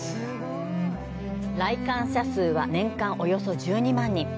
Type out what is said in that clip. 来館者数は年間およそ１２万人。